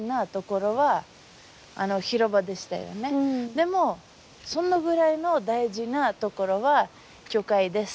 でもそのぐらいの大事な所は教会です。